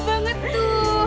gak ada yang tau